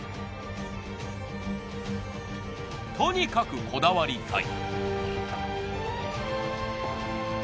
とにかくこだわりたい。